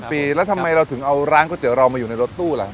ปีแล้วทำไมเราถึงเอาร้านก๋วเตี๋เรามาอยู่ในรถตู้ล่ะ